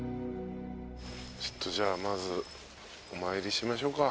ちょっとじゃあまずお参りしましょうか。